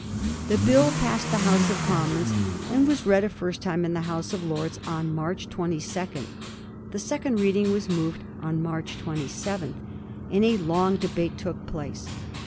The Bill passed the House of Commons, and was read a first time in the House of Lords on March 22. The second reading was moved on March 27, and a long debate took place.